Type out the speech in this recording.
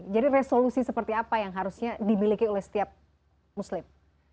jadi resolusi seperti apa yang harusnya dimiliki oleh setiap muslim